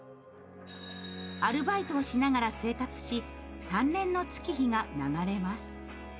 アルバイトをしながら生活し３年の月日が流れます。